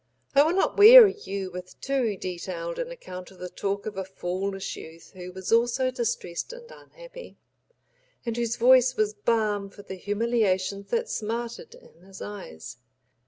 I will not weary you with too detailed an account of the talk of a foolish youth who was also distressed and unhappy, and whose voice was balm for the humiliations that smarted in his eyes.